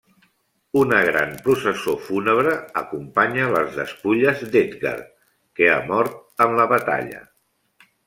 Una gran processó fúnebre acompanya les despulles d'Edgar, que ha mort en la batalla.